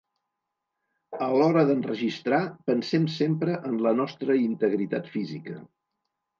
A l’hora d’enregistrar pensem sempre en la nostra integritat física.